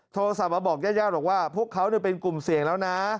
โทรศัพท์มาบอกแย่ว่าพวกเขาเนี่ยเป็นกลุ่มเสี่ยงแล้วนะ